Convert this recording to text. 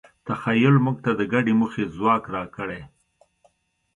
تخیل موږ ته د ګډې موخې ځواک راکړی.